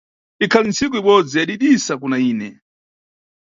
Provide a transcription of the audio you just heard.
Ikhali nntsiku ibodzi yadidisa kuna ine.